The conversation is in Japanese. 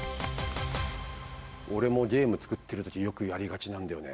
俺もゲーム作ってる時よくやりがちなんだよね。